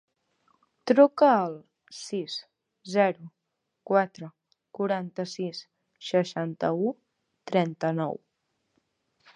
Truca al sis, zero, quatre, quaranta-sis, seixanta-u, trenta-nou.